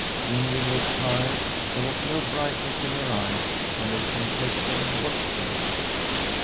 Ingrid looked tired ; there was no brightness in her eyes, and her complexion was gray.